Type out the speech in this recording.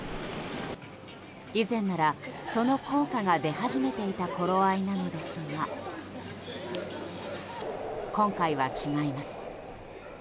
以前なら、その効果が出始めていた頃合いなのですが今回は違います。